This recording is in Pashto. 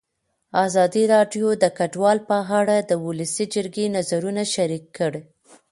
ازادي راډیو د کډوال په اړه د ولسي جرګې نظرونه شریک کړي.